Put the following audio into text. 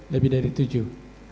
lebih dari tujuh